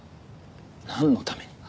なんのために？